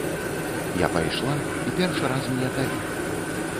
Я пайшла, і першы раз мне далі.